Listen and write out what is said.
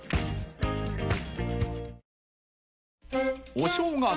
［お正月。